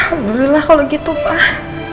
alhamdulillah kalo gitu pak